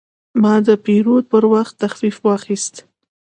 ما د پیرود پر وخت تخفیف واخیست.